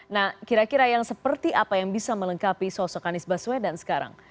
nah kira kira yang seperti apa yang bisa melengkapi sosok anies baswedan sekarang